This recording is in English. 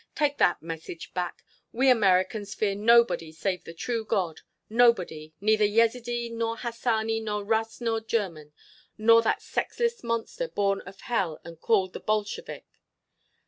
Take that message back. We Americans fear nobody save the true God!—nobody—neither Yezidee nor Hassani nor Russ nor German nor that sexless monster born of hell and called the Bolshevik!"